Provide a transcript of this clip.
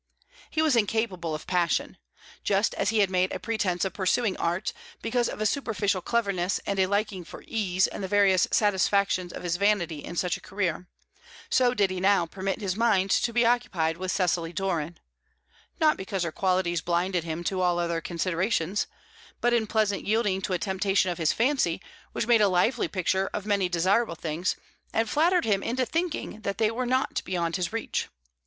He was incapable of passion. Just as he had made a pretence of pursuing art, because of a superficial cleverness and a liking for ease and the various satisfactions of his vanity in such a career, so did he now permit his mind to be occupied with Cecily Doran, not because her qualities blinded him to all other considerations, but in pleasant yielding to a temptation of his fancy, which made a lively picture of many desirable things, and flattered him into thinking that they were not beyond his reach.